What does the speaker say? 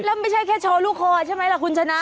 แล้วไม่ใช่แค่โชว์ลูกคอใช่ไหมล่ะคุณชนะ